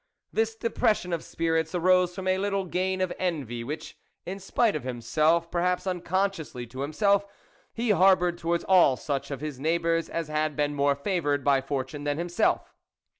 This THE WOLF LEADER depression of spirits arose from a little grain of envy, which, in spite of himself, perhaps unconsciously to himself, he har boured towards all such of his neighbours as had been more favoured by fortune than himself.